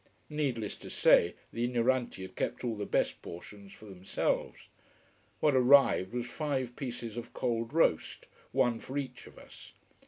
Needless to say, the ignoranti had kept all the best portions for themselves. What arrived was five pieces of cold roast, one for each of us.